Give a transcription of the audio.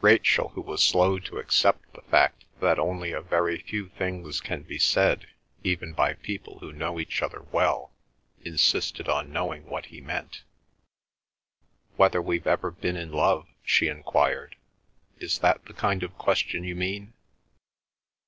Rachel, who was slow to accept the fact that only a very few things can be said even by people who know each other well, insisted on knowing what he meant. "Whether we've ever been in love?" she enquired. "Is that the kind of question you mean?"